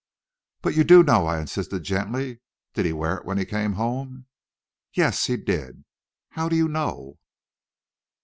"But you do know," I insisted, gently; "did he wear it when he came home?" "Yes, he did." "How do you know?"